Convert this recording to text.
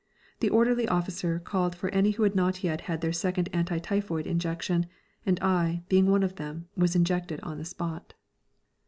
The orderly officer called for any who had not yet had their second anti typhoid injection, and I, being one of them, was injected on the spot.